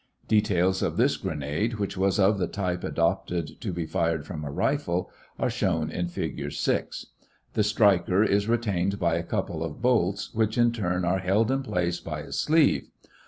Details of this grenade, which was of the type adopted to be fired from a rifle, are shown in Fig. 6. The striker A is retained by a couple of bolts, B, which in turn are held in place by a sleeve, C.